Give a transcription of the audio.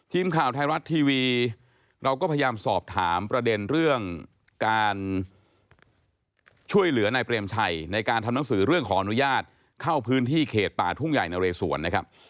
ทีมข่าวไทยรัฐทีวีเราก็พยายามสอบถามประเด็นเรื่องการช่วยเหลือนายเปรมชัยในการทำหนังสือเรื่องขออนุญาตเข้าพื้นที่เขตป่าทุ่งใหญ่นะเรสวนนะครับ